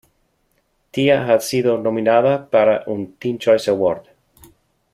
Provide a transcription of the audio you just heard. Tia ha sido nominada para un Teen Choice Award.